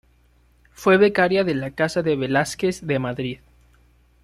Fue becaria de la Casa de Velázquez de Madrid.